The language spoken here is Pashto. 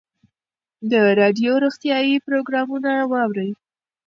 د راډیو روغتیایي پروګرامونه واورئ.